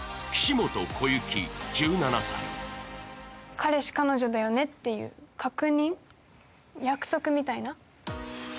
彼氏、彼女だよねという確認、約束みたいな。